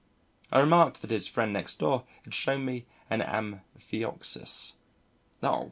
I remarked that his friend next door had shown me an Amphioxus. "Oh!